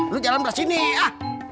lu jangan beras sini ah